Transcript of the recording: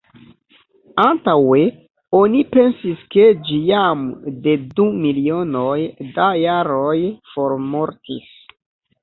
Antaŭe oni pensis ke ĝi jam de du milionoj da jaroj formortis.